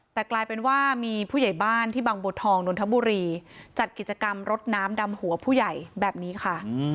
แต่กลายเป็นว่ามีผู้ใหญ่บ้านที่บางบัวทองนนทบุรีจัดกิจกรรมรถน้ำดำหัวผู้ใหญ่แบบนี้ค่ะ